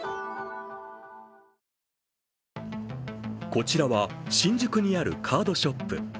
こちらは、新宿にあるカードショップ。